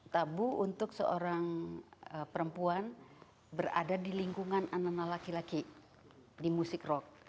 tabu untuk seorang perempuan berada di lingkungan anak anak laki laki di musik rock